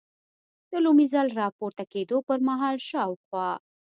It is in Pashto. د لومړي ځل را پورته کېدو پر مهال شاوخوا.